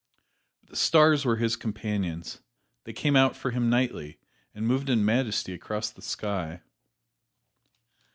But the stars were his companions they came out for him nightly and moved in majesty across the sky.